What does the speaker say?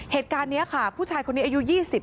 เหตุการณ์นี้ค่ะผู้ชายคนนี้อายุ๒๐